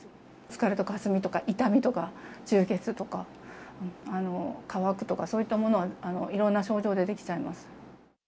疲れとか、かすみとか、痛みとか、充血とか、乾くとか、そういったもの、いろんな症状出てきちゃいます。